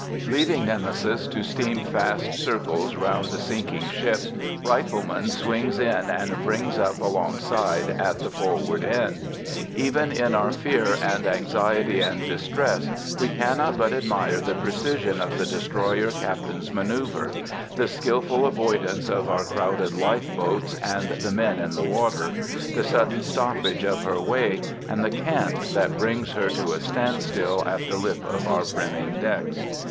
Leaving Nemesis to steam fast circles round the sinking ship, Rifleman swings in and brings up alongside at the forward end. Even in our fear and anxiety and distress, we cannot but admire the precision of the destroyer captain's manœuver the skilful avoidance of our crowded life boats and the men in the water the sudden stoppage of her way and the cant that brings her to a standstill at the lip of our brimming decks.